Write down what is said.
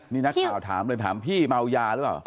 นี่นักข่าวถามเลยถามพี่เมายาหรือเปล่า